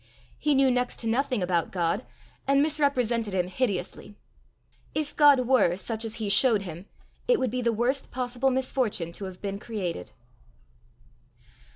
He knew next to nothing about God, and misrepresented him hideously. If God were such as he showed him, it would be the worst possible misfortune to have been created.